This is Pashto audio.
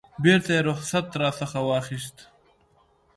بیرته یې رخصت راڅخه واخیست.